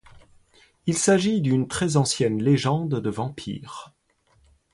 Il s'agit d'une très ancienne légende de vampires.